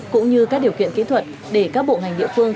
cũng như các điều kiện kỹ thuật để các bộ ngành địa phương